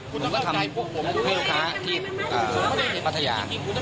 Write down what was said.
ผมก็ทำให้ลูกค้าที่ปัทยา